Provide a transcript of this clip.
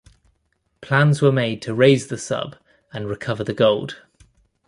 Plans were made to raise the sub and recover the gold.